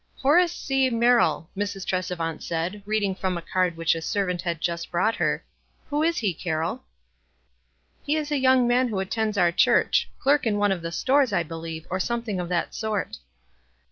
"Horace C. Merrill," Mrs. Tresevant said, reading from a card which a servant had just brought her. " Who is he, Carroll ?" "He is a young man who attends our church — clerk in one of the stores, I believe, or some thing of that sort."